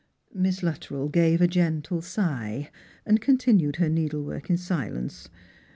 Miss LuttreU gave a gentle sigh, and continued her needlework in silence.